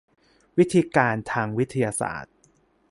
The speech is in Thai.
วิธีการทางวิทยาศาสตร์